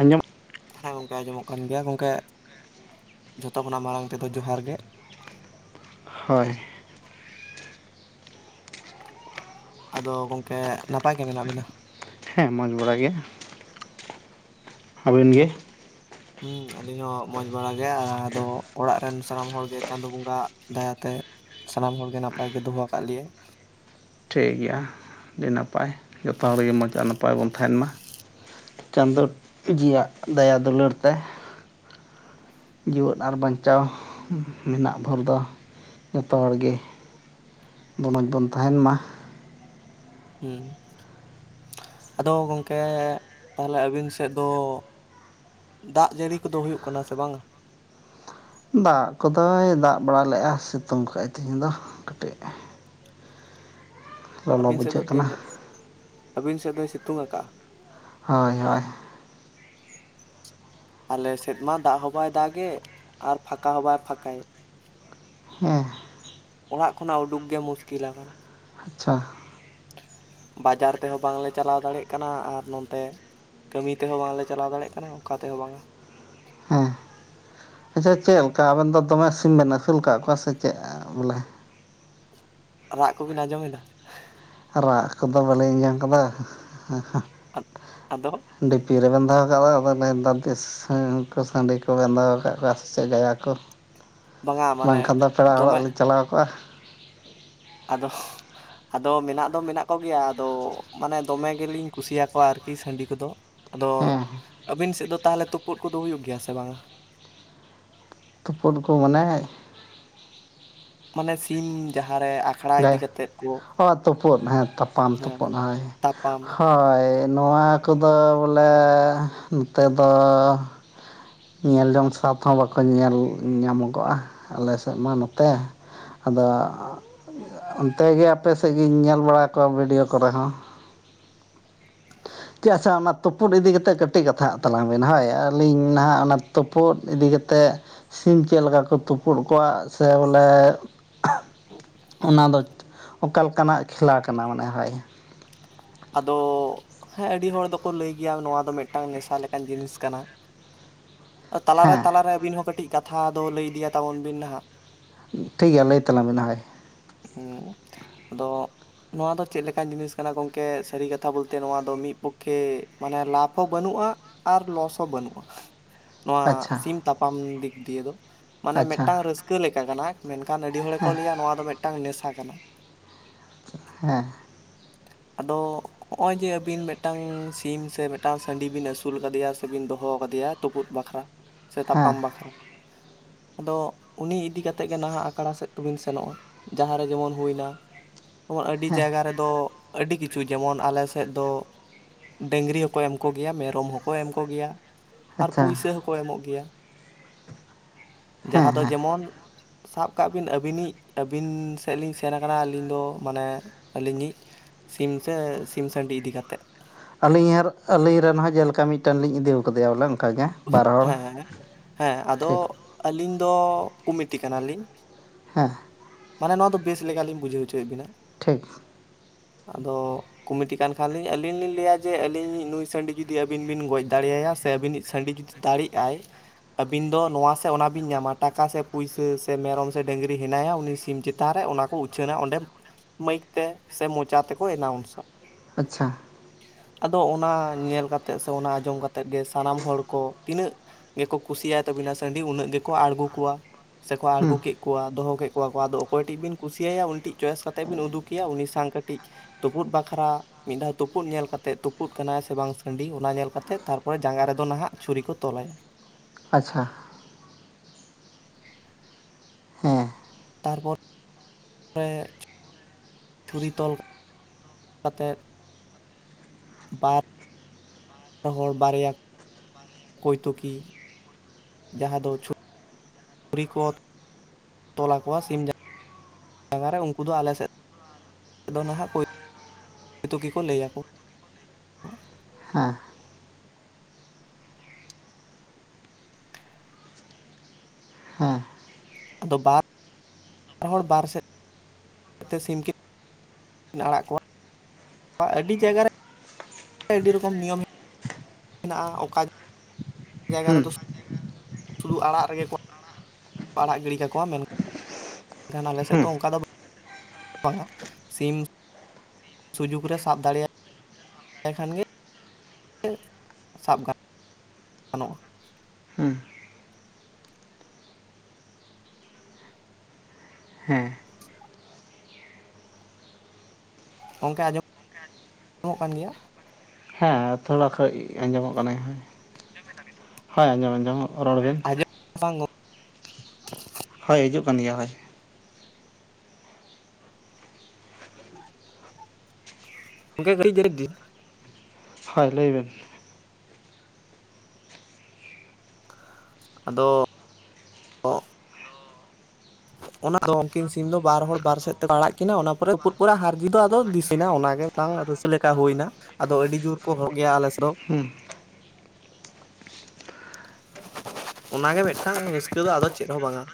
ᱟᱸᱡᱚᱢ ᱦᱮᱸ ᱜᱚᱝᱠᱮ ᱟᱸᱡᱚᱢᱚᱜ ᱠᱟᱱ ᱜᱮᱭᱟ, ᱜᱚᱝᱠᱮ ᱡᱷᱚᱛᱚ ᱠᱷᱚᱱᱟᱜ ᱢᱟᱨᱟᱝ ᱛᱮᱫᱚ ᱡᱚᱦᱟᱨ ᱜᱮ ᱾ ᱦᱳᱭ ᱾ ᱟᱫᱚ ᱜᱚᱢᱠᱮ ᱱᱟᱯᱟᱭ ᱜᱮ ᱢᱮᱱᱟᱜ ᱵᱤᱱᱟ? ᱦᱮᱸ ᱢᱚᱡᱽ ᱵᱟᱲᱟ ᱜᱮᱭᱟ ᱾ ᱟᱵᱤᱱ ᱜᱮ? ᱦᱩᱸ ᱟᱞᱤᱧ ᱦᱚᱸ ᱢᱚᱸᱡᱽ ᱵᱟᱲ ᱜᱮ ᱟᱫᱚ ᱚᱲᱟᱜ ᱨᱮᱱ ᱥᱟᱱᱟᱢ ᱦᱚᱲᱜᱮ ᱪᱟᱸᱫᱳ ᱵᱚᱸᱜᱟᱣᱟᱜ ᱫᱟᱭᱟ ᱛᱮ ᱾ ᱥᱟᱱᱟᱢ ᱦᱚᱲ ᱜᱮ ᱱᱟᱯᱟᱭ ᱜᱮ ᱫᱚᱦᱚ ᱟᱠᱟᱜ ᱞᱮᱭᱟᱭ ᱾ ᱴᱷᱤᱠ ᱜᱮᱭᱟ ᱟᱹᱰᱤ ᱱᱟᱯᱟᱭ ᱡᱚᱛᱚ ᱦᱚᱲᱜᱮ ᱢᱚᱡᱽ ᱟᱨ ᱱᱟᱯᱟᱭ ᱵᱚᱱ ᱛᱟᱦᱮᱱ ᱢᱟ ᱾ ᱪᱟᱸᱫᱳ ᱡᱤᱭᱟᱜ ᱫᱟᱭᱟ ᱫᱩᱞᱟᱹᱲ ᱛᱮ ᱾ ᱡᱤᱣᱮᱫ ᱟᱨ ᱵᱟᱧᱪᱟᱣ ᱢᱮᱱᱟᱜ ᱵᱷᱳᱨ ᱫᱚ ᱡᱚᱛᱚ ᱦᱚᱲ ᱜᱮ ᱫᱚ ᱢᱚᱡᱽ ᱵᱚᱱ ᱛᱟᱦᱮᱱ ᱢᱟ ᱾ ᱦᱮᱸ ᱾ ᱟᱫᱚ ᱜᱚᱝᱠᱮ ᱛᱟᱦᱚᱞᱮ ᱟᱹᱵᱤᱱ ᱥᱮᱫ ᱫᱚ ᱫᱟᱜ ᱡᱟᱹᱲᱤ ᱠᱚᱫᱚ ᱦᱩᱭᱩᱜ ᱠᱟᱱᱟ ᱥᱮ ᱵᱟᱝᱟ? ᱫᱟᱜ ᱠᱚᱫᱚᱭ ᱫᱟᱜ ᱵᱟᱲᱟ ᱞᱮᱜᱼᱟ ᱥᱤᱛᱩᱝ ᱠᱟᱜᱼᱟᱭ ᱛᱮᱦᱮᱧ ᱫᱚ ᱠᱟᱹᱴᱤᱡ ᱾ ᱞᱚᱞᱚ ᱟᱹᱵᱤᱱ ᱥᱮᱫ ᱫᱚ ᱵᱩᱡᱷᱟᱹᱜ ᱛᱤᱱ ᱠᱟᱱᱟ ᱾ ᱟᱹᱵᱤᱱ ᱥᱮᱫ ᱫᱚᱭ ᱥᱤᱛᱩᱝ ᱟᱠᱟᱜᱼᱟ? ᱦᱳᱭ ᱦᱳᱭ ᱾ ᱟᱞᱮ ᱥᱮᱫ ᱢᱟ ᱫᱟᱜ ᱦᱚᱸ ᱵᱟᱭ ᱫᱟᱜ ᱮᱫ ᱟᱨ ᱯᱷᱟᱸᱠᱟ ᱦᱚᱸ ᱵᱟᱭ ᱯᱷᱟᱸᱠᱟᱭᱮᱫ ᱾ ᱦᱮᱸ ᱾ ᱚᱲᱟᱜ ᱠᱷᱚᱱᱟᱜ ᱩᱰᱩᱠ ᱜᱮ ᱢᱩᱥᱠᱤᱞ ᱟᱠᱟᱱᱟ ᱾ ᱟᱪᱪᱷᱟ ᱾ ᱵᱟᱡᱟᱨ ᱛᱮᱦᱚᱸ ᱵᱟᱝᱞᱮ ᱪᱟᱞᱟᱣ ᱫᱟᱲᱮᱭᱟᱜ ᱠᱟᱱᱟ ᱟᱨ ᱱᱚᱱᱛᱮ ᱠᱟᱹᱢᱤ ᱛᱮᱦᱚᱸ ᱵᱟᱝᱞᱮ ᱪᱟᱞᱟᱣ ᱫᱟᱲᱮᱭᱟᱜ ᱠᱟᱱᱟ ᱚᱠᱟ ᱛᱮᱦᱚᱸ ᱵᱟᱝᱟ ᱾ ᱦᱮᱸ ᱟᱪᱪᱷᱟ ᱪᱮᱫ ᱞᱮᱠᱟ ᱟᱵᱮᱱ ᱫᱚ ᱫᱚᱢᱮ ᱥᱤᱢ ᱵᱮᱱ ᱟᱹᱥᱩᱞ ᱟᱠᱟᱫ ᱠᱚᱣᱟ ᱥᱮ ᱪᱮᱫ ᱵᱚᱞᱮ? ᱨᱟᱜ ᱠᱚᱵᱤᱱ ᱟᱸᱡᱚᱢᱮᱫᱟ? ᱨᱟᱜ ᱠᱚᱫᱚ ᱵᱟᱹᱞᱤᱧ ᱟᱸᱡᱚᱢ ᱟᱠᱟᱫᱟ ᱾ ᱟ ᱟᱫᱚ! ᱰᱷᱤᱯᱤ ᱨᱮᱵᱮᱱ ᱫᱚᱦᱚ ᱟᱠᱟᱫ ᱫᱚ ᱟᱫᱚ ᱢᱮᱱᱫᱟ ᱵᱮᱥ ᱦᱮᱸ ᱠᱚ ᱥᱟᱺᱰᱤ ᱠᱚ ᱵᱮᱱ ᱫᱚᱦᱚ ᱟᱠᱟᱫ ᱠᱚᱣᱟ ᱥᱮ ᱪᱮᱫ ᱡᱟᱭᱟ ᱠᱚ? ᱵᱟᱝᱟ ᱢᱟᱱᱮ ᱵᱟᱝᱠᱷᱟᱱ ᱫᱚ ᱯᱮᱲᱟ ᱦᱚᱲᱚᱜ ᱫᱚᱢᱮ ᱞᱤᱧ ᱪᱟᱞᱟᱣ ᱠᱚᱜᱼᱟ ᱾ ᱟᱫᱚ! ᱟᱫᱚ ᱢᱮᱱᱟᱜ ᱫᱚ ᱢᱮᱱᱟᱜ ᱠᱚᱜᱮᱭᱟ ᱟᱫᱚ ᱢᱟᱱᱮ ᱫᱚᱢᱮ ᱜᱮᱞᱤᱧ ᱠᱩᱥᱤᱭᱟᱠᱚᱣᱟ ᱟᱨᱠᱤ ᱥᱟᱺᱰᱤ ᱠᱚᱫᱚ ᱾ ᱟᱫᱚ ᱦᱮᱸ ᱟᱹᱵᱤᱱ ᱥᱮᱫ ᱫᱚ ᱛᱟᱦᱚᱞᱮ ᱛᱩᱯᱩᱫ ᱠᱚᱫᱚ ᱦᱩᱭᱩᱜ ᱜᱮᱭᱟ ᱥᱮ ᱵᱟᱝᱟ? ᱛᱩᱯᱩᱫ ᱠᱚ ᱢᱟᱱᱮ? ᱢᱟᱱᱮ ᱥᱤᱢ ᱡᱟᱦᱟᱸᱨᱮ ᱟ ᱛᱟᱦᱚᱞᱮ ᱚ ᱛᱳᱯᱳᱫ ᱦᱮᱸ ᱛᱟᱯᱟᱢ ᱦᱮᱸ ᱛᱩᱯᱩᱫ ᱦᱳᱭ ᱛᱟᱯᱟᱢ ᱦᱳᱭ ᱾ ᱱᱚᱣᱟ ᱠᱚᱫᱚ ᱵᱚᱞᱮ ᱱᱚᱛᱮᱫᱚᱻ ᱧᱮᱞ ᱡᱚᱝ ᱥᱟᱛ ᱦᱚᱸ ᱵᱟᱠᱚ ᱧᱮᱞ ᱧᱟᱢᱚᱜᱚᱜᱼᱟ ᱟᱞᱮ ᱥᱮᱫ ᱢᱟ ᱱᱚᱛᱮ ᱾ ᱟᱫᱚ ᱚᱱᱛᱮ ᱜᱮ ᱟᱯᱮ ᱥᱮᱫ ᱜᱤᱧ ᱧᱮᱞ ᱵᱟᱲᱟ ᱠᱚᱣᱟ ᱵᱷᱤᱰᱭᱳ ᱠᱚᱨᱮ ᱦᱚᱸ ᱾ ᱪᱮᱫ ᱟᱪᱪᱷᱟ ᱚᱱᱟ ᱛᱳᱯᱳᱫ ᱤᱫᱤ ᱠᱟᱛᱮᱫ ᱠᱟᱹᱴᱤᱡ ᱠᱟᱛᱷᱟᱜ ᱛᱟᱞᱟᱝ ᱵᱤᱱ ᱦᱳᱭ ᱟᱹᱞᱤᱧ ᱱᱟᱦᱟᱸᱜ ᱚᱱᱟ ᱛᱳᱯᱳᱫ ᱤᱫᱤ ᱠᱟᱛᱮᱫ ᱥᱤᱢ ᱪᱮᱫ ᱞᱮᱠᱟ ᱠᱚ ᱛᱩᱯᱩᱫ ᱠᱚᱣᱟ ᱥᱮ ᱵᱚᱞᱮ ᱚᱱᱟ ᱫᱚ ᱚᱠᱟᱞᱮᱠᱟᱱᱟᱜ ᱠᱷᱮᱞᱟ ᱠᱟᱱᱟ ᱢᱟᱱᱮ ᱦᱳᱭ ᱾ ᱟᱫᱚ ᱦᱮᱸ ᱟᱹᱰᱤ ᱦᱚᱲ ᱫᱚᱠᱚ ᱞᱟᱹᱭ ᱜᱮᱭᱟ ᱱᱚᱣᱟ ᱫᱚ ᱢᱤᱫᱴᱟᱝ ᱱᱮᱥᱟ ᱞᱮᱠᱟᱱ ᱡᱤᱱᱤᱥ ᱠᱟᱱᱟ ᱾ [inaudible] ᱛᱟᱞᱟᱨᱮ ᱛᱟᱞᱟᱨᱮ ᱟᱵᱤᱱ ᱦᱚᱸ ᱠᱟᱹᱴᱤᱡ ᱠᱟᱛᱷᱟ ᱫᱚ ᱞᱟᱹᱭ ᱤᱫᱤᱭᱟ ᱛᱟᱵᱚᱱ ᱵᱤᱱ ᱱᱟᱦᱟᱜ ᱾ ᱴᱷᱤᱠ ᱜᱮᱭᱟ ᱞᱟᱹᱭ ᱛᱟᱞᱟᱝ ᱵᱤᱱ ᱦᱳᱭ ᱾ ᱦᱩᱸ ᱟᱫᱚ ᱱᱚᱣᱟ ᱫᱚ ᱪᱮᱫ ᱞᱮᱠᱟᱱ ᱡᱤᱱᱤᱥ ᱠᱟᱱᱟ ᱜᱚᱝ ᱠᱮ ᱥᱟᱹᱨᱤ ᱠᱟᱛᱷᱟ ᱵᱚᱞᱛᱮ ᱱᱚᱣᱟ ᱫᱚ ᱢᱤᱜ ᱯᱚᱠᱠᱷᱮ ᱢᱟᱱᱮ ᱞᱟᱯᱷ ᱦᱚᱸ ᱵᱟᱹᱱᱩᱜᱼᱟ ᱾ ᱟᱨ ᱞᱚᱥ ᱦᱚᱸ ᱵᱟᱹᱱᱩᱜᱼᱟ [inaudible] ᱱᱚᱣᱟ ᱥᱤᱢ ᱛᱟᱯᱟᱢ ᱫᱤᱠ ᱫᱤᱭᱮ ᱫᱚ ᱢᱟᱱᱮ ᱟᱪᱪᱷᱟ ᱢᱤᱫᱴᱟᱝ ᱨᱟᱹᱥᱠᱟᱹ ᱞᱮᱠᱟ ᱠᱟᱱᱟ ᱢᱮᱱᱠᱷᱟᱱ ᱟᱹᱰᱤ ᱦᱚᱲᱮ ᱠᱚ ᱞᱟᱹᱭᱟ ᱱᱚᱣᱟ ᱫᱚ ᱢᱤᱫᱴᱟᱝ ᱱᱮᱥᱟ ᱠᱟᱱᱟ ᱦᱮᱸ ᱟᱫᱚ ᱱᱚᱜ ᱚᱭ ᱡᱮ ᱟᱹᱵᱤᱱ ᱢᱤᱫᱴᱟᱝ ᱥᱤᱢ ᱥᱮ ᱢᱤᱫᱴᱟᱝ ᱥᱟᱺᱰᱤ ᱵᱤᱱ ᱟᱹᱥᱩᱞ ᱟᱠᱟᱫᱮᱭᱟ ᱥᱮᱵᱤᱱ ᱫᱚᱦᱚ ᱟᱠᱟᱫᱮᱭᱟ ᱛᱳᱯᱳᱫ ᱵᱟᱠᱷᱨᱟ ᱥᱮ ᱦᱮᱸ ᱛᱟᱯᱟᱢ ᱵᱟᱠᱷᱨᱟ [inaudible] ᱟᱫᱚ ᱩᱱᱤ ᱤᱫᱤ ᱠᱟᱛᱮᱜ ᱜᱮ ᱱᱟᱦᱟᱜ ᱟᱠᱷᱲᱟ ᱥᱮᱫ ᱛᱚᱵᱤᱱ ᱥᱮᱱᱚᱜᱼᱟ᱾ ᱡᱟᱦᱟᱸ ᱨᱮ ᱡᱮᱢᱚᱱ ᱦᱩᱭᱱᱟ ᱡᱮᱢᱚᱱ ᱟᱹᱰᱤ ᱡᱟᱭᱜᱟ ᱨᱮᱫᱚ ᱟᱹᱰᱤ ᱠᱤᱪᱷᱩ ᱡᱮᱢᱚᱱ ᱟᱞᱮ ᱥᱮᱫ ᱫᱚ ᱰᱟᱸᱝᱨᱤ ᱦᱚᱸᱠᱚ ᱮᱢ ᱠᱚᱜᱮᱭᱟ ᱢᱮᱨᱚᱢ ᱦᱚᱸᱠᱚ ᱮᱢ ᱠᱚᱜᱮᱭᱟ᱾ ᱟᱨ ᱟᱪᱪᱷᱟ ᱯᱩᱭᱥᱟᱹ ᱦᱚᱸᱠᱚ ᱮᱢᱚᱜ ᱜᱮᱭᱟ, ᱦᱮᱸ ᱡᱟᱦᱟᱸ ᱫᱚ ᱦᱮᱸ ᱡᱮᱢᱚᱱ ᱥᱟᱵ ᱠᱟᱜ ᱵᱤᱱ ᱟᱹᱵᱤᱱᱤᱡ ᱟᱹᱵᱤᱱ ᱥᱮᱫ ᱞᱤᱧ ᱥᱮᱱ ᱠᱟᱱᱟ ᱟᱹᱞᱤᱧ ᱫᱚ ᱢᱟᱱᱮ ᱟᱹᱞᱤᱧᱤᱡ ᱥᱤᱢ ᱥᱮ ᱥᱤᱢ ᱥᱟᱸᱰᱤ ᱤᱫᱤ ᱠᱟᱛᱮᱫ? ᱟᱹᱞᱤᱧ ᱟᱨ ᱟᱹᱞᱤᱧ ᱨᱮᱱ ᱦᱚᱸ ᱡᱮᱞᱮᱠᱟ ᱢᱤᱫᱴᱮᱱ ᱞᱤᱧ ᱤᱫᱤᱣ ᱟᱠᱟᱣᱫᱮᱭᱟ ᱵᱚᱞᱮ ᱚᱱᱠᱟᱜᱮ ᱦᱮᱸ ᱦᱮᱸ ᱟᱫᱚ ᱟᱹᱞᱤᱧ ᱫᱚ ᱠᱩᱢᱤᱴᱤ ᱠᱟᱱᱟᱞᱤᱧ᱾ ᱦᱮᱸ ᱢᱟᱱᱮ ᱱᱚᱣᱟ ᱫᱚ ᱵᱮᱥ ᱞᱮᱠᱟ ᱞᱤᱧ ᱵᱩᱡᱷᱟᱹᱣ ᱦᱚᱪᱚᱭᱮᱫ ᱵᱤᱱᱟ᱾ ᱴᱷᱤᱠ ᱟᱫᱚ ᱠᱚᱢᱤᱴᱤ ᱠᱟᱱ ᱠᱷᱟᱱ ᱞᱤᱧ ᱟᱹᱞᱤᱧ ᱞᱤᱧ ᱞᱟᱹᱭᱟ ᱡᱮ ᱟᱹᱞᱤᱧᱤᱡ ᱱᱩᱭ ᱥᱟᱺᱰᱤ ᱡᱩᱫᱤ ᱟᱹᱵᱤᱱ ᱵᱤᱱ ᱜᱚᱡ ᱫᱟᱲᱮᱭᱟᱭᱟ ᱥᱮ ᱟᱹᱵᱤᱱᱤᱡ ᱥᱟᱺᱰᱤ ᱡᱩᱫᱤ ᱫᱟᱲᱮᱜᱼᱟᱭ ᱟᱹᱵᱤᱱ ᱫᱚ ᱱᱚᱣᱟ ᱥᱮ ᱚᱱᱟ ᱵᱤᱱ ᱧᱟᱢᱟ ᱴᱟᱠᱟ ᱥᱮ ᱯᱩᱭᱥᱟᱹ ᱥᱮ ᱢᱮᱨᱚᱢ ᱥᱮ ᱰᱟᱹᱝᱨᱤ ᱦᱮᱱᱟᱭᱟ ᱩᱱᱤ ᱥᱮ ᱥᱤᱢ ᱪᱮᱛᱟᱱ ᱨᱮ ᱚᱱᱟ ᱠᱚ ᱩᱪᱷᱟᱹᱱᱟ ᱚᱸᱰᱮᱢ ᱢᱟᱹᱭᱤᱠ ᱛᱮ ᱥᱮ ᱢᱚᱪᱟ ᱛᱮᱠᱚ ᱮᱞᱟᱣᱩᱱᱥᱟ᱾ ᱟᱪᱪᱷᱟ ᱟᱫᱚ ᱚᱱᱟ ᱧᱮᱞ ᱠᱟᱛᱮᱫ ᱥᱮ ᱚᱱᱟ ᱟᱸᱡᱚᱢ ᱠᱟᱛᱮᱫ ᱜᱮ ᱥᱟᱱᱟᱢ ᱦᱚᱲ ᱠᱚ ᱛᱤᱱᱟᱹᱜ ᱜᱮᱠᱚ ᱠᱩᱥᱤᱭᱟᱭ ᱛᱟᱵᱤᱱᱟ ᱥᱟᱺᱰᱤ ᱩᱱᱟᱹᱜ ᱜᱮᱠᱚ ᱟᱬᱜᱚ ᱠᱚᱣᱟ᱾ ᱥᱮᱠᱚ ᱦᱮᱸ ᱟᱬᱜᱚ ᱠᱮᱜ ᱠᱚᱣᱟ ᱫᱚᱦᱚ ᱠᱮᱜ ᱠᱚᱣᱟ ᱠᱚ ᱟᱫᱚ ᱚᱠᱚᱭ ᱴᱤᱜ ᱵᱤᱱ ᱠᱩᱥᱤᱭᱟᱭᱟ ᱩᱱᱤᱴᱤᱡ ᱪᱚᱭᱮᱥ ᱠᱟᱛᱮᱫ ᱵᱤᱱ ᱩᱫᱩᱠᱮᱭᱟ ᱩᱱᱤ ᱥᱟᱝ ᱠᱟᱹᱴᱤᱡ ᱛᱩᱯᱩᱫ ᱵᱟᱠᱷᱨᱟ ᱢᱤᱫ ᱫᱷᱟᱣ ᱛᱩᱯᱩᱫ ᱧᱮᱞ ᱠᱟᱛᱮᱜ ᱛᱩᱯᱩᱫ ᱠᱟᱱᱟᱭ ᱥᱮ ᱵᱟᱝ ᱥᱟᱺᱰᱤ ᱚᱱᱟ ᱧᱮᱞ ᱠᱟᱛᱮᱜ ᱛᱟᱨᱯᱚᱨᱮ ᱡᱟᱸᱜᱟ ᱨᱮᱫᱚ ᱱᱟᱦᱟᱜ ᱪᱷᱩᱨᱤ ᱠᱚ ᱛᱚᱞᱟᱭᱟ᱾ ᱟᱪᱪᱷᱟ ᱦᱮᱸ ᱛᱟᱨᱯᱚᱨ ᱨᱮ ᱪᱷᱩᱨᱤ ᱛᱚᱞ ᱠᱟᱛᱮᱫ ᱵᱟᱨ ᱵᱟ ᱦᱚᱲ ᱵᱟᱨᱭᱟ ᱠᱚᱭᱴᱳᱠᱤ ᱡᱟᱦᱟᱸ ᱫᱚ ᱪᱷᱩ ᱨᱤᱠᱚ ᱛᱚᱞ ᱟᱠᱚᱣᱟ ᱥᱤᱢ ᱡᱟ ᱡᱟᱸᱜᱟ ᱨᱮ ᱩᱱᱠᱩ ᱫᱚ ᱟᱞᱮ ᱥᱮᱫ ᱫᱚ ᱱᱟᱦᱟᱜ ᱠᱳᱭ ᱛᱳᱠᱤ ᱠᱚ ᱞᱟᱹᱭᱟᱠᱚ᱾ ᱦᱮᱸ ᱦᱮᱸ ᱟᱫᱚ ᱵᱟᱛ ᱵᱟᱨ ᱦᱚᱲ ᱵᱟᱨ ᱥᱮᱫ ᱠᱟᱛᱮ ᱥᱤᱢ ᱠᱤᱱ ᱟᱲᱟᱜ ᱠᱚᱣᱟ ᱟᱹᱰᱤ ᱡᱟᱭᱜᱟ ᱨᱮ ᱟᱹᱰᱤ ᱨᱚᱠᱚᱢ ᱱᱤᱭᱚᱢ ᱦᱮᱱᱟᱜᱼᱟ ᱚᱠᱟ ᱡᱟᱭᱜᱟ ᱦᱮᱸ ᱨᱮᱫᱚ ᱥᱩᱫᱷᱩ ᱟᱲᱟᱜ ᱨᱮᱜᱮ ᱠᱚ ᱟᱲᱟᱜ ᱜᱤᱰᱤ ᱠᱟᱠᱚᱣᱟ ᱢᱮᱱ ᱠᱷᱟᱱ ᱟᱞᱮ ᱥᱮᱫ ᱫᱚ ᱚᱱᱠᱟ ᱫᱚ ᱵᱟᱝᱟ ᱥᱤᱢ ᱥᱩᱡᱩᱜ ᱨᱮ ᱥᱟᱵ ᱫᱟᱲᱮᱭᱟ ᱮᱠᱷᱟᱱ ᱜᱮ ᱥᱟᱵ ᱜᱟ ᱟᱱᱚᱜᱼᱟ᱾ ᱦᱩᱸ ᱦᱮᱸ᱾ ᱜᱚᱝᱠᱮ [inaudible] ᱠᱟᱱ ᱜᱮᱭᱟ? ᱦᱮ ᱛᱷᱚᱲᱟ ᱠᱷᱚᱡ ᱟᱸᱡᱚᱢᱚᱜ ᱠᱟᱱᱟ ᱦᱳᱭ, ᱦᱳᱭ ᱟᱸᱡᱚᱢ ᱟᱸᱡᱚᱢ ᱨᱚᱲ ᱵᱤᱱ᱾ [inaudible] ᱦᱳᱭ ᱦᱤᱡᱩᱜ ᱠᱟᱱ ᱜᱮᱭᱟ ᱦᱳᱭ᱾ [inaudible] ᱦᱳᱭ ᱞᱟᱹᱭ ᱵᱮᱱ᱾ ᱟᱫᱚ ᱚᱱᱟ ᱫᱚ ᱩᱱᱠᱤᱱ ᱥᱤᱢ ᱫᱚ ᱵᱟᱨ ᱦᱚᱲ ᱵᱟᱨ ᱥᱮᱫ ᱛᱮᱠᱚ ᱟᱲᱟᱜ ᱠᱤᱱᱟ ᱚᱱᱟ ᱯᱚᱨᱮ ᱛᱩᱯᱩᱜ ᱯᱚᱨᱮ ᱦᱟᱨ ᱡᱤᱛ ᱫᱚ ᱟᱫᱚ [inaudible] ᱚᱱᱟᱜᱮ᱾ ᱴᱟᱝ [inaudible] ᱞᱮᱠᱟ ᱦᱩᱭᱱᱟ ᱟᱫᱚ ᱟᱹᱰᱤ ᱡᱳᱨ ᱠᱚ ᱦᱚᱲᱚᱜ ᱜᱮᱭᱟ ᱟᱞᱮ ᱥᱮᱫ ᱫᱚ᱾ ᱦᱩᱸ [inaudible] ᱚᱱᱟᱜᱮ ᱢᱤᱫᱴᱟᱝ ᱨᱟᱹᱥᱠᱟᱹ ᱫᱚ ᱟᱫᱚ ᱪᱮᱫ ᱦᱚᱸ ᱵᱟᱝᱟ᱾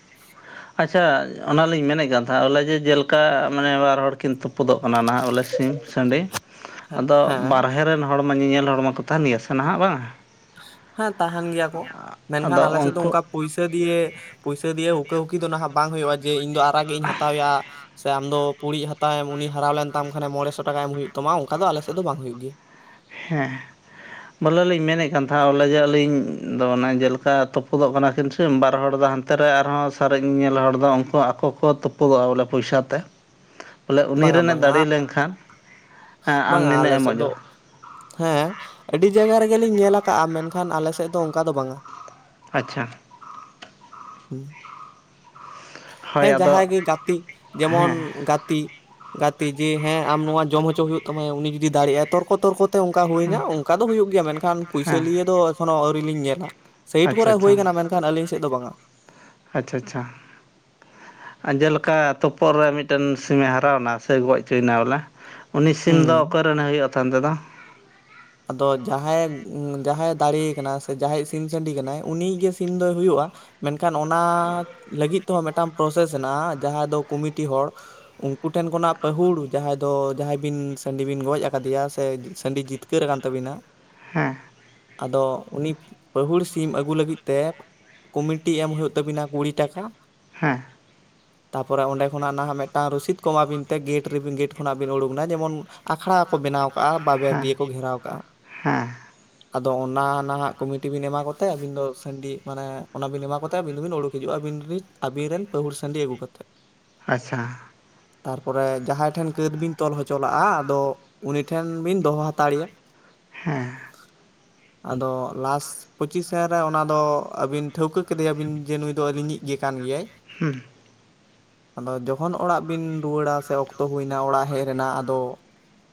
ᱟᱪᱪᱷᱟ ᱚᱱᱟᱞᱤᱧ ᱢᱮᱱᱮᱫ ᱠᱟᱱ ᱛᱟᱦᱮᱫ ᱟᱞᱮ ᱡᱮ ᱡᱮᱞᱮᱠᱟ ᱢᱟᱱᱮ ᱵᱟᱨ ᱦᱚᱲ ᱠᱤᱱ ᱛᱩᱯ ᱯᱩᱫᱚᱜ ᱠᱟᱱᱟ ᱱᱟᱦᱟᱜ ᱵᱚᱞᱮ ᱥᱤᱢ ᱥᱟᱸᱰᱤ ᱟᱫᱚ ᱦᱮᱸ ᱵᱟᱨᱦᱮ ᱨᱮᱱ ᱦᱚᱲᱢᱟ ᱧᱮᱧᱮᱞ ᱦᱚᱲᱢᱟ ᱠᱚ ᱛᱟᱦᱮᱱ ᱜᱮᱭᱟ ᱥᱮ ᱱᱟᱦᱟᱜ ᱵᱟᱝ? ᱦᱮᱸ ᱛᱟᱦᱮᱱ ᱜᱮᱭᱟ ᱠᱚ ᱢᱮᱱᱠᱷᱟᱱ ᱟᱫᱚ ᱟᱞᱮ ᱥᱮᱫ ᱫᱚ ᱩᱱᱠᱩ ᱚᱱᱠᱟ ᱯᱩᱭᱥᱟᱹ ᱫᱤᱭᱮ ᱯᱩᱭᱥᱟ ᱫᱤᱭᱮ ᱦᱩᱠᱟᱹ ᱦᱩᱠᱤ ᱫᱚ ᱱᱟᱦᱟᱜ ᱵᱟᱝ ᱦᱩᱭᱩᱜᱼᱟ ᱡᱮ ᱤᱧ ᱫᱚ ᱟᱨᱟᱜ ᱜᱤᱜ ᱤᱧ ᱦᱟᱛᱟᱣᱮᱭᱟ, ᱥᱮ ᱟᱢ ᱫᱚ ᱯᱩᱲᱤᱡ ᱦᱟᱛᱟᱣ ᱮᱢ ᱩᱱᱤ ᱦᱟᱨᱟᱣ ᱞᱮᱱ ᱛᱟᱢ ᱠᱷᱟᱱᱮ ᱢᱚᱬᱮ ᱥᱚ ᱴᱟᱠᱟ ᱮᱢ ᱦᱩᱭᱩᱜ ᱛᱟᱢᱟ ᱚᱱᱠᱟ ᱫᱚ ᱟᱞᱮ ᱥᱮᱫ ᱫᱚ ᱵᱟᱝ ᱦᱩᱭᱩᱜ ᱜᱮᱭᱟ᱾ ᱦᱮᱸ᱾ ᱵᱚᱞᱮ ᱞᱤᱧ ᱢᱮᱱᱮᱫ ᱠᱟᱱ ᱛᱟᱦᱮᱸ ᱵᱚᱞᱮ ᱡᱮ ᱟᱞᱤᱧ ᱫᱚ ᱚᱱᱮ ᱡᱮᱞᱮᱠᱟ ᱛᱩᱯᱩᱫᱚᱜ ᱠᱟᱱᱟ ᱠᱤᱱ ᱥᱮ ᱵᱟᱨ ᱦᱚᱲ ᱫᱚ ᱦᱟᱱ ᱛᱮ ᱨᱮ ᱟᱨᱦᱚ ᱥᱟᱨᱮᱡ ᱧᱮᱞ ᱦᱚᱲ ᱫᱚ ᱩᱱᱠᱩ ᱟᱠᱚ ᱠᱚ ᱛᱩᱯᱩᱫᱚᱜᱼᱟ ᱵᱚᱞᱮ ᱯᱚᱭᱥᱟ ᱛᱮ᱾ ᱵᱚᱞᱮ ᱩᱱᱤ ᱵᱟᱝᱟ ᱨᱮᱱᱮ ᱵᱟᱝᱟ ᱫᱟᱲᱮ ᱞᱮᱱᱠᱷᱟᱱ, ᱦᱮᱸ ᱟᱢ ᱱᱤᱱᱟᱹᱜ ᱮᱢᱚᱜ [inaudible] ᱦᱮ ᱟᱹᱰᱤ ᱡᱟᱭᱜᱟ ᱨᱮᱜᱮᱞᱤᱧ ᱧᱮᱞ ᱠᱟᱜᱼᱟ ᱢᱮᱱᱠᱷᱟᱱ ᱟᱞᱮ ᱥᱮᱫ ᱫᱚ ᱚᱱᱠᱟ ᱫᱚ ᱵᱟᱝᱟ᱾ ᱟᱪᱪᱷᱟ᱾ ᱦᱩᱸ᱾ ᱦᱳᱭ ᱦᱮᱸ ᱟᱫᱚ ᱡᱟᱦᱟᱸᱭ ᱜᱮ ᱜᱟᱛᱤ ᱡᱮᱢᱚᱱ ᱦᱮᱸ ᱜᱟᱛᱤ᱾ ᱜᱟᱛᱤ ᱡᱮ ᱦᱮᱸ ᱟᱢ ᱱᱚᱣᱟ ᱡᱚᱢ ᱦᱚᱪᱚ ᱦᱩᱭᱩᱜ ᱛᱟᱢᱟ ᱭᱟ ᱩᱱᱤ ᱡᱩᱫᱤ ᱫᱟᱲᱮᱜ ᱟᱭ ᱛᱚᱨᱠᱚ ᱛᱚᱨᱠᱚ ᱛᱮ ᱚᱱᱠᱟ ᱦᱮᱸ ᱦᱩᱭᱱᱟ ᱚᱱᱠᱟ ᱫᱚ ᱦᱩᱭᱩᱜ ᱜᱮᱭᱟ ᱢᱮᱱᱠᱷᱟᱱ ᱯᱩᱭᱥᱟᱹ ᱟᱪᱪᱷᱟ ᱞᱤᱭᱟᱹ ᱫᱚ ᱮᱠᱷᱚᱱᱳ ᱟᱹᱣᱨᱤ ᱞᱤᱧ ᱧᱮᱞᱟ᱾ ᱥᱮᱟᱭᱤᱴ ᱠᱚᱨᱮᱜ ᱦᱩᱭ ᱟᱪᱪᱷᱟ ᱟᱠᱟᱱᱟ ᱢᱮᱱᱠᱷᱟᱱ ᱟᱞᱤᱧ ᱥᱮᱫ ᱫᱚ ᱵᱟᱝᱟ᱾ ᱟᱪᱪᱷᱟ ᱟᱪᱪᱷᱟ᱾ ᱮᱸ ᱡᱮᱞᱮᱠᱟ ᱛᱳᱯᱳᱫ ᱨᱮ ᱢᱤᱫᱴᱮᱱ ᱥᱤᱢ-ᱮ ᱦᱟᱨᱟᱣ ᱮᱱᱟ ᱥᱮ ᱜᱚᱡ ᱚᱪᱚᱭᱮᱱᱟ ᱵᱚᱞᱮ, ᱩᱱᱤ ᱥᱤᱢ ᱫᱚ ᱦᱩᱸ ᱚᱠᱚᱭ ᱨᱮᱱᱮ ᱦᱩᱭᱩᱜᱼᱟ [unintelligible] ᱟᱫᱚ ᱡᱟᱦᱟᱭᱮ ᱩᱸ ᱡᱟᱦᱟᱭᱮ ᱫᱟᱲᱮ ᱟᱠᱟᱱᱟ ᱥᱮ ᱡᱟᱦᱟᱭᱤᱡ ᱥᱤᱢ ᱥᱟᱸᱰᱤ ᱠᱟᱱᱟᱭ ᱩᱱᱤᱭᱤᱡ ᱜᱮ ᱥᱤᱢ ᱫᱚᱭ ᱦᱩᱭᱩᱜᱼᱟ᱾ ᱢᱮᱱᱠᱷᱟᱱ ᱚᱱᱟ ᱞᱟᱹᱜᱤᱫ ᱛᱮᱦᱚᱸ ᱢᱤᱫᱴᱟᱝ ᱯᱨᱚᱥᱮᱥ ᱦᱮᱱᱟᱜᱼᱟ ᱡᱟᱦᱟᱸᱭ ᱫᱚ ᱠᱩᱢᱤᱴᱤ ᱦᱚᱲ ᱩᱱᱠᱩ ᱴᱷᱮᱱ ᱠᱷᱚᱱᱟᱜ ᱯᱟᱹᱦᱩᱲ ᱡᱟᱦᱟᱸᱭ ᱫᱚ ᱡᱟᱦᱟᱸᱭ ᱵᱤᱱ ᱥᱟᱹᱰᱤ ᱵᱤᱱ ᱜᱚᱡ ᱟᱠᱟᱫᱮᱭᱟ ᱥᱮ ᱥᱟᱸᱰᱤ ᱡᱤᱛ ᱠᱟᱹᱨ ᱟᱠᱟᱱ ᱛᱟᱵᱤᱱᱟ, ᱦᱮᱸ ᱟᱫᱚ ᱩᱱᱤ ᱯᱟᱦᱩᱲ ᱥᱤᱢ ᱟᱹᱜᱩ ᱞᱟᱹᱜᱤᱫ ᱛᱮ ᱠᱩᱢᱤᱴᱤ ᱮᱢ ᱦᱩᱭᱩᱜ ᱛᱟᱵᱤᱱᱟ ᱠᱩᱲᱤ ᱴᱟᱠᱟ, [inaudible] ᱛᱟᱨᱯᱚᱨᱮ ᱚᱸᱰᱮ ᱠᱷᱚᱱᱟᱜ ᱱᱟᱦᱟᱜ ᱢᱤᱫᱴᱟᱝ ᱨᱚᱥᱤᱫ ᱠᱚ ᱮᱢᱟ ᱵᱤᱱ ᱛᱮ ᱜᱮᱴ ᱨᱮᱵᱤᱱ ᱜᱮᱴ ᱠᱷᱚᱱᱟᱜ ᱵᱤᱱ ᱩᱲᱩᱠᱱᱟ ᱡᱮᱢᱚᱱ ᱟᱠᱷᱲᱟ ᱠᱚ ᱵᱮᱱᱟᱣ ᱠᱟᱜᱼᱟ ᱵᱟᱵᱮᱨ ᱫᱤᱭᱟᱹ ᱠᱚ ᱜᱷᱮᱨᱟᱣ ᱠᱟᱜᱼᱟ᱾ [inaudible] ᱟᱫᱚ ᱚᱱᱟ ᱱᱷᱟᱜ ᱠᱚᱢᱤᱴᱤ ᱵᱤᱱ ᱮᱢᱟ ᱠᱚᱛᱮ ᱟᱹᱵᱤᱱ ᱫᱚ ᱥᱟᱺᱰᱤ ᱢᱟᱱᱮ ᱚᱱᱟ ᱵᱤᱱ ᱮᱢᱟ ᱠᱟᱛᱮ ᱟᱹᱵᱤᱱ ᱫᱚᱵᱤᱱ ᱚᱰᱩᱠ ᱦᱤᱡᱩᱜᱼᱟ ᱟᱵᱤᱱ ᱫᱩᱵᱤᱱ ᱟᱹᱵᱤᱱ ᱨᱮᱱ ᱯᱟᱹᱦᱩᱲ ᱥᱟᱺᱰᱤ ᱟᱹᱜᱩ ᱠᱟᱛᱮᱫ᱾ ᱟᱪᱪᱷᱟ ᱾ ᱛᱟᱨᱯᱚᱨᱮ ᱡᱟᱦᱟᱸᱭ ᱴᱷᱮᱱ ᱠᱟᱹᱛ ᱵᱤᱱ ᱛᱚᱞ ᱦᱚᱪᱚᱞᱟᱜᱼᱟ, ᱟᱫᱚ ᱩᱱᱤ ᱴᱷᱮᱱ ᱵᱤᱱ ᱫᱚᱦᱚ ᱦᱟ ᱦᱟᱛᱟᱲᱮᱭᱟ ᱦᱮᱸ᱾ ᱟᱫᱚ ᱞᱟᱥ ᱯᱚᱸᱪᱤᱥᱮᱱ ᱨᱮ ᱚᱱᱟ ᱫᱚ ᱟᱹᱵᱤᱱ ᱴᱷᱟᱹᱣᱠᱟᱹ ᱠᱮᱫᱮᱭᱟᱵᱤᱱ ᱡᱮ ᱱᱩᱭ ᱫᱚ ᱟᱹᱞᱤᱧᱤᱡ ᱜᱮ ᱠᱟᱱ ᱜᱮᱭᱟᱭ᱾ ᱦᱩᱸ ᱾ ᱟᱫᱚ ᱡᱚᱠᱷᱚᱱ ᱚᱲᱟᱜ ᱵᱤᱱ ᱨᱩᱣᱟᱹᱲᱟ, ᱥᱮ ᱚᱠᱛᱚ ᱦᱩᱭᱱᱟ ᱚᱲᱟᱜ ᱦᱮᱡ ᱨᱮᱱᱟᱜ᱾ ᱟᱫᱚ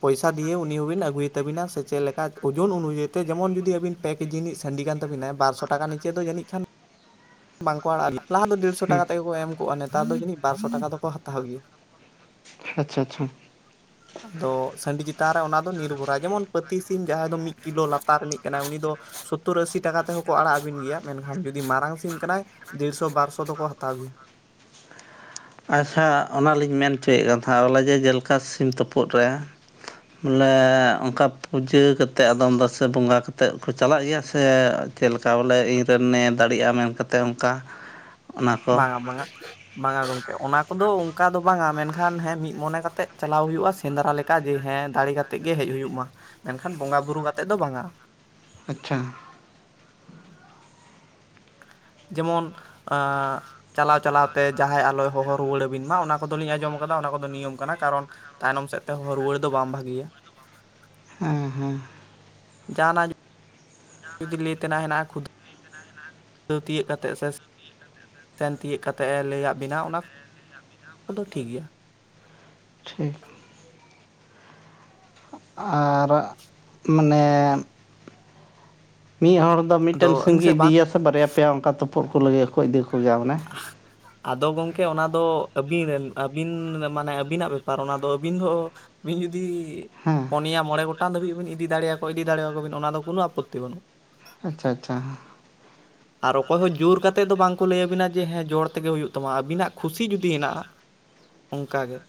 ᱯᱚᱭᱥᱟ ᱫᱤᱭᱮ ᱩᱱᱤ ᱦᱚᱵᱤᱱ ᱟᱜᱩᱭ ᱛᱟᱹᱵᱤᱱᱟ, ᱥᱮ ᱪᱮᱜ ᱞᱮᱠᱟ ᱳᱡᱳᱱ ᱚᱱᱩᱡᱟᱹᱭ ᱛᱮᱵᱤᱱᱟ ᱥᱮ ᱪᱮᱫ ᱞᱮᱠᱟ ᱚᱡᱚᱱ ᱡᱮᱢᱚᱱ ᱡᱩᱫᱤ ᱟᱹᱵᱤᱱ ᱯᱮ ᱠᱤᱡᱤ ᱱᱤᱡ ᱥᱟᱺᱰᱤᱠᱟᱱ ᱛᱟᱹᱵᱤᱱᱟ, ᱵᱟᱨᱥᱚ ᱴᱟᱠᱟ ᱱᱤᱪᱮ ᱫᱚ ᱡᱟᱹᱱᱤᱡ ᱠᱷᱟᱱ ᱵᱟᱝᱠᱚ ᱟᱲᱟᱜ ᱜᱮᱭᱟ [unintelligible] ᱾ ᱞᱟᱦᱟ ᱫᱚ ᱰᱮᱲᱥᱚ ᱦᱩᱸ ᱴᱟᱠᱟ ᱛᱮᱜᱮ ᱠᱚ ᱮᱢ ᱠᱚᱜᱼᱟ᱾ ᱱᱮᱛᱟᱨ ᱫᱚ ᱡᱟᱹᱱᱤᱡ ᱵᱟᱨᱥᱚ ᱴᱟᱠᱟ ᱫᱚᱠᱚ ᱦᱟᱛᱟᱣ ᱜᱮᱭᱟ᱾ ᱟᱪᱪᱷᱟ ᱟᱪᱪᱷᱟ ᱾ ᱟᱫᱚ ᱥᱟᱺᱰᱤ ᱪᱮᱛᱟᱱ ᱨᱮ ᱚᱱᱟ ᱫᱚ ᱱᱤᱨᱵᱷᱚᱨᱟᱭ᱾ ᱡᱮᱢᱚᱱ ᱯᱟᱹᱛᱤ ᱥᱤᱢ ᱡᱟᱦᱟᱸᱭ ᱫᱚ ᱢᱤᱜ ᱠᱤᱞᱳ ᱞᱟᱛᱟᱨ ᱨᱮᱱᱤᱡ ᱠᱟᱱᱟᱜ ᱩᱱᱤ ᱫᱚ ᱥᱳᱛᱛᱤᱨ ᱟᱥᱥᱤ ᱴᱟᱠᱟ ᱛᱮᱦᱚᱸ ᱠᱚ ᱟᱲᱟᱜ ᱟᱹᱵᱤᱱ ᱜᱮᱭᱟ᱾ ᱢᱮᱱᱠᱷᱟᱱ ᱡᱩᱫᱤ ᱢᱟᱨᱟᱝ ᱥᱤᱢ ᱠᱟᱱᱟᱭ ᱫᱮᱲᱥᱚ ᱵᱟᱨᱥᱚ ᱫᱚᱠᱚ ᱦᱟᱛᱟᱣ ᱜᱮᱭᱟ ᱾ ᱟᱪᱪᱷᱟ ᱚᱱᱟᱞᱤᱧ ᱢᱮᱱ ᱪᱚᱭᱮᱜ ᱠᱟᱱ ᱛᱷᱟᱦᱮᱸ᱾ ᱦᱚᱞᱟ ᱡᱮ ᱡᱮᱞᱮᱠᱟ ᱥᱤᱢ ᱛᱳᱯᱳᱫ ᱨᱮ ᱵᱚᱞᱮ ᱚᱝᱠᱟ ᱯᱩᱡᱟᱹ ᱠᱟᱛᱮᱜ ᱟᱫᱚᱢ ᱫᱚ, ᱥᱮ ᱵᱚᱸᱜᱟ ᱠᱟᱛᱮᱜ ᱠᱚ ᱪᱟᱞᱟᱜ ᱜᱮᱭᱟ ᱥᱮ ᱪᱮᱜ ᱞᱮᱠᱟ ᱵᱚᱞᱮ ᱤᱧᱨᱮᱱᱮ ᱫᱟᱲᱮᱜᱼᱟ ᱢᱮᱱ ᱠᱟᱛᱮᱜ ᱚᱝᱠᱟ ᱾ ᱵᱟᱝᱟ ᱵᱟᱝᱟ ᱵᱟᱝᱟ ᱜᱚᱝᱠᱮ, ᱚᱱᱟ ᱠᱚᱫᱚ ᱚᱝᱠᱟ ᱫᱚ ᱵᱟᱝᱟ ᱢᱮᱱᱠᱷᱟᱱ ᱦᱮᱸ ᱢᱤᱜ ᱢᱚᱱᱮ ᱠᱟᱛᱮᱜ ᱪᱟᱞᱟᱣ ᱦᱩᱭᱩᱜᱼᱟ᱾ ᱥᱮᱸᱫᱽᱨᱟ ᱞᱮᱠᱟ ᱦᱮᱸ ᱫᱟᱲᱮ ᱠᱟᱛᱮᱜ ᱜᱮ ᱦᱮᱡ ᱦᱩᱭᱩᱜ ᱢᱟ, ᱢᱮᱱᱠᱷᱟᱱ ᱵᱚᱸᱜᱟ ᱵᱩᱨᱩ ᱠᱟᱛᱮᱜ ᱫᱚ ᱵᱟᱝᱟ ᱾ ᱟᱪᱪᱷᱟ ᱾ ᱡᱮᱢᱚᱱ ᱟᱻ ᱪᱟᱞᱟᱣ ᱪᱟᱞᱟᱣᱛᱮ ᱡᱟᱦᱟᱸᱭ ᱟᱞᱚᱭ ᱦᱚᱦᱚ ᱨᱩᱣᱟᱹᱲ ᱟᱹᱵᱤᱱ ᱢᱟ, ᱚᱱᱟ ᱠᱚᱫᱚᱞᱤᱧ ᱟᱸᱡᱚᱢ ᱟᱠᱟᱫᱟ ᱚᱱᱟ ᱠᱚᱫᱚ ᱱᱤᱭᱚᱢ ᱠᱟᱱᱟ᱾ ᱠᱟᱨᱚᱱ ᱛᱟᱭᱱᱚᱢ ᱥᱮᱜ ᱛᱮ ᱦᱚᱦᱚ ᱨᱩᱣᱟᱹᱲ ᱫᱚ ᱵᱟᱝ ᱵᱷᱟᱹᱜᱤᱭᱟ ᱾ ᱦᱮᱸ ᱦᱮᱸ ᱾ ᱡᱟᱦᱟᱸᱱᱟᱜ ᱡᱩᱫᱤ ᱞᱟᱹᱭ ᱛᱮᱱᱟᱜ ᱦᱮᱱᱟᱜᱼᱟ, ᱠᱷᱩ ᱥᱟᱹᱣ ᱛᱤᱭᱟᱹᱜ ᱠᱟᱛᱮᱜ ᱥᱮ ᱥᱮᱱ ᱛᱤᱭᱟᱹᱜ ᱠᱟᱛᱮᱜ ᱮ ᱞᱮᱭᱟᱜ ᱵᱤᱱᱟ ᱚᱱᱟ ᱠᱚᱫᱚ ᱴᱷᱤᱠ ᱜᱮᱭᱟ ᱾ ᱴᱷᱤᱠ ᱾ ᱟᱨᱻ ᱟᱪᱪᱷᱟ ᱾ ᱢᱟᱱᱮ ᱢᱤᱫ ᱦᱚᱲ ᱫᱚ ᱟᱫᱚ ᱢᱤᱜᱴᱮᱱ ᱥᱤᱢ ᱟᱹᱵᱤᱱ ᱜᱮ ᱥᱮᱫ ᱵᱟᱝ ᱤᱫᱤᱭᱟᱥᱮ ᱵᱟᱨᱭᱟ ᱯᱮᱭᱟ, ᱚᱝᱠᱟ ᱛᱳᱯᱳᱫ ᱠᱚ ᱞᱟᱹᱭᱟᱠᱚ ᱤᱫᱤ ᱠᱚ ᱜᱮᱭᱟ ᱚᱱᱮ ᱾ [inaudible] ᱟᱫᱚ ᱜᱚᱝᱠᱮ ᱚᱱᱟ ᱫᱚ ᱟᱹᱵᱤᱱ ᱨᱮᱱ, ᱟᱹᱵᱤᱱ ᱢᱟᱱᱮ ᱟᱹᱵᱤᱱᱟᱜ ᱵᱮᱯᱟᱨ ᱚᱱᱟ ᱫᱚ᱾ ᱟᱹᱵᱤᱱ ᱫᱚ ᱟᱹᱵᱤᱱ ᱡᱩᱫᱤ ᱦᱮᱸ ᱯᱚᱱᱮᱭᱟ ᱢᱚᱬᱮ ᱜᱚᱴᱟᱝ ᱫᱷᱟᱹᱵᱤᱡ ᱦᱚᱵᱤᱱ ᱤᱫᱤ ᱫᱟᱲᱮᱭᱟ ᱠᱚᱣᱟ, ᱤᱫᱤ ᱫᱮᱲᱮᱭᱟ ᱠᱚᱣᱟ ᱵᱤᱱ ᱚᱱᱟ ᱫᱚ ᱠᱳᱱᱳ ᱟᱯᱚᱛᱛᱤ ᱵᱟᱹᱱᱩᱜ ᱾ ᱟᱪᱪᱷᱟ ᱟᱪᱪᱷᱟ ᱾ ᱟᱨ ᱚᱠᱚᱭ ᱦᱚᱸ ᱡᱳᱨ ᱠᱟᱛᱮ ᱫᱚ ᱵᱟᱝᱠᱚ ᱞᱟᱹᱭᱟᱵᱤᱱᱟ ᱡᱮ ᱦᱮᱸ ᱡᱚᱲ ᱛᱮᱜᱮ ᱦᱩᱭᱩᱜ ᱛᱟᱢᱟ, ᱟᱹᱵᱤᱱᱟᱜ ᱠᱷᱩᱥᱤ ᱡᱩᱫᱤ ᱦᱮᱱᱟᱜᱼᱟ ᱾ ᱚᱝᱠᱟᱜᱮ ᱾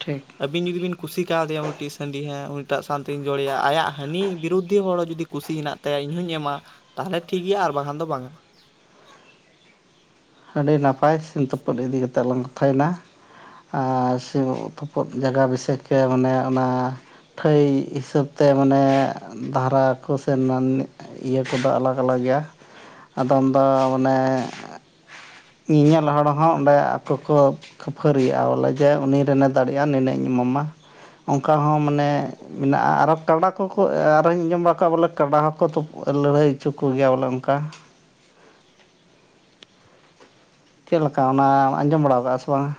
ᱴᱷᱤᱠ ᱾ ᱟᱹᱵᱤᱱ ᱡᱩᱫᱤ ᱵᱤᱱ ᱠᱩᱥᱤ ᱠᱟᱣᱫᱮᱭᱟ ᱩᱱᱤ ᱴᱤᱡ ᱥᱟᱺᱰᱤ, ᱦᱮ ᱩᱱᱤᱴᱟᱜ ᱥᱟᱱᱛᱮᱧ ᱡᱚᱲᱮᱭᱟ ᱟᱭᱟᱜ ᱦᱟᱹᱱᱤ ᱵᱤᱨᱩᱫᱷᱤ ᱦᱚᱲ ᱦᱚᱸ ᱡᱩᱫᱤ ᱠᱩᱥᱤ ᱦᱮᱱᱟᱜ ᱛᱟᱭᱟ ᱤᱧᱦᱩᱧ ᱮᱢᱟ, ᱛᱟᱦᱞᱮ ᱴᱷᱤᱠ ᱜᱮᱭᱟ ᱟᱨ ᱵᱟᱝᱠᱷᱟᱱ ᱫᱚ ᱵᱟᱝᱟ᱾ ᱟᱹᱰᱤ ᱱᱟᱯᱟᱭ ᱥᱤᱢ ᱛᱳᱯᱳᱫ ᱤᱫᱤ ᱠᱟᱛᱮᱜ ᱞᱟᱝ ᱠᱟᱛᱷᱟᱭᱱᱟ᱾ ᱟᱨ ᱥᱤ ᱛᱳᱯᱳᱫ ᱡᱟᱜᱟ ᱵᱤᱥᱚᱭ ᱛᱮ ᱢᱟᱱᱮ ᱚᱱᱟ ᱛᱷᱟᱹᱭ ᱦᱤᱥᱟᱹᱵ ᱛᱮ ᱢᱟᱱᱮ ᱫᱷᱟᱨᱟ ᱠᱚ ᱥᱮ ᱱᱟᱱᱱᱤ ᱤᱭᱟᱹ ᱠᱚᱫᱚ ᱟᱞᱟᱜ ᱟᱞᱟᱠ ᱜᱮᱭᱟ ᱟᱫᱚᱢ ᱫᱚ ᱢᱟᱱᱮ ᱧᱮᱧᱮᱞ ᱦᱚᱲ ᱦᱚᱸ ᱚᱸᱰᱮ ᱟᱠᱚ ᱠᱚ ᱠᱷᱟᱹᱯᱷᱟᱹᱨᱤᱜ-ᱟ ᱵᱚᱞᱮ ᱡᱮ ᱩᱱᱤ ᱨᱮᱱᱮ ᱫᱟᱲᱮᱜ-ᱟ, ᱱᱤᱱᱟᱹᱜ ᱤᱧ ᱮᱢᱟᱢᱟ ᱚᱝᱠᱟ ᱦᱚᱸ ᱢᱟᱱᱮ ᱢᱮᱱᱟᱜ-ᱟ ᱟᱨᱚ ᱠᱟᱰᱟ ᱠᱚᱠᱚ ᱟᱨᱳᱧ ᱟᱸᱡᱚᱢ ᱵᱟᱲᱟ ᱠᱟᱜ-ᱟ ᱵᱚᱞᱮ ᱠᱟᱰᱟ ᱦᱚᱸᱠᱚ ᱞᱟᱹᱲᱦᱟᱹᱭ ᱦᱚᱪᱚ ᱠᱚᱜᱮᱭᱟ ᱵᱚᱞᱮ ᱚᱝᱠᱟ᱾ ᱪᱮᱫ ᱞᱮᱠᱟ ᱚᱱᱟ ᱟᱸᱡᱚᱢ ᱵᱟᱲᱟ ᱠᱟᱜ-ᱟ ᱥᱮ ᱵᱟᱝᱟ?